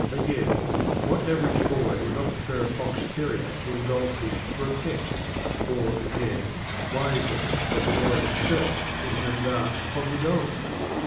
Again, what average boy would not prefer a fox terrier to a goldfish for a pet? Or, again, why is it that the boy himself is an advance upon the dog?